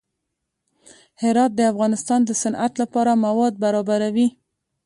هرات د افغانستان د صنعت لپاره مواد برابروي.